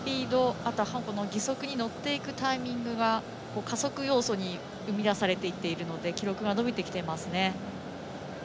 あと、義足に乗っていくタイミングが加速要素に生み出されていっているので記録が伸びてきていますね。